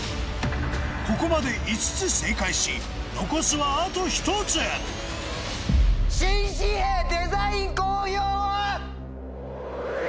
ここまで５つ正解し残すはあと１つ「新紙幣デザイン公表」は？